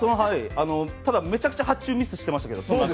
ただめちゃくちゃ発注ミスしてましたけど。